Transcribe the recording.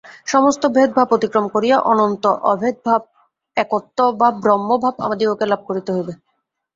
সমস্ত ভেদভাব অতিক্রম করিয়া অনন্ত অভেদভাব, একত্ব বা ব্রহ্মভাব আমাদিগকে লাভ করিতে হইবে।